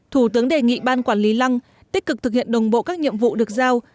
thủ tướng đề nghị ban quản lý lăng tích cực thực hiện đồng bộ các nhiệm vụ được giao